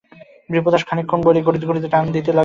বিপ্রদাস খানিকক্ষণ বসে গুড়গুড়িতে টান দিতে লাগল।